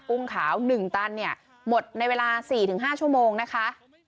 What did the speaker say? อุ้งขาว๑ตันเนี่ยหมดในเวลา๔๕ชั่วโมงนะคะ